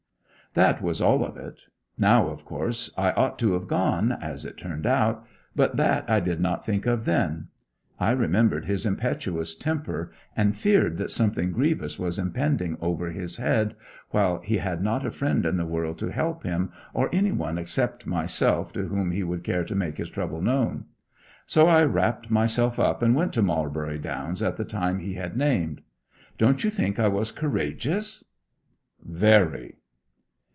'That was all of it. Now, of course I ought have gone, as it turned out, but that I did not think of then. I remembered his impetuous temper, and feared that something grievous was impending over his head, while he had not a friend in the world to help him, or any one except myself to whom he would care to make his trouble known. So I wrapped myself up and went to Marlbury Downs at the time he had named. Don't you think I was courageous?' 'Very.'